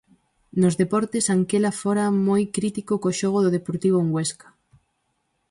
Nos deportes, Anquela fora moi crítico co xogo do Deportivo en Huesca.